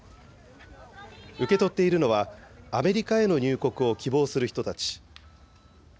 受け取っているのは、アメリカへの入国を希望する人たち。